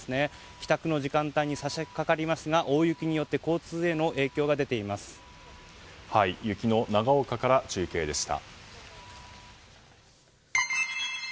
帰宅の時間帯に差し掛かりますが大雪によって雪の長岡から中継でした。